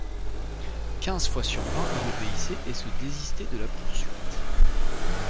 Quinze fois sur vingt il obéissait et se désistait de la poursuite.